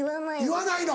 言わないの。